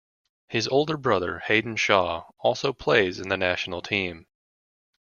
His older brother Hayden Shaw also plays in the national team.